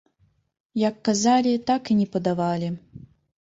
Як казалі, так і не падавалі.